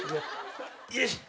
よいしょ。